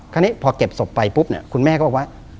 คราวนี้พอเก็บศพไปปุ๊บเนี่ยคุณแม่ก็บอกว่า